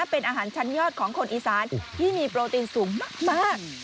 เป็นอาหารชั้นยอดของคนอีสานที่มีโปรตีนสูงมาก